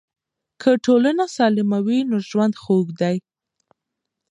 که ټولنه سالمه وي نو ژوند خوږ دی.